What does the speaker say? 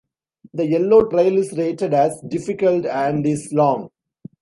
The yellow trail is rated as "difficult" and is long.